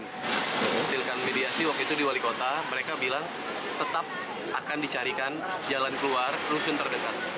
menghasilkan mediasi waktu itu di wali kota mereka bilang tetap akan dicarikan jalan keluar rusun terdekat